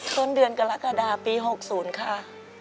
ต้นเดือนกรกฎาปี๖๐ค่ะ